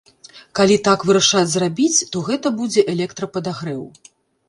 Калі так вырашаць зрабіць, то гэта будзе электрападагрэў.